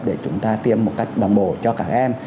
để chúng ta tiêm một cách đồng bộ cho các em